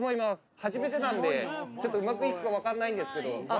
初めてなんで、ちょっとうまくいくか分かんないんですけど。